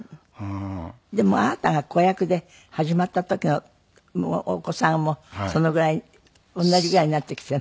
でもあなたが子役で始まった時のお子さんもそのぐらい同じぐらいになってきた。